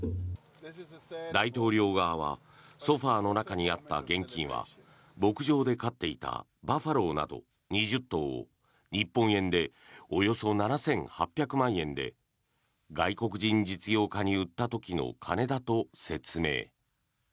大統領側はソファの中にあった現金は牧場で飼っていたバファローなど２０頭を日本円でおよそ７８００万円で外国人実業家に売った時の金だと説明。